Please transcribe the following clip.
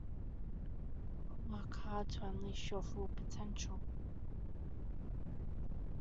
Work hard to unleash your full potential.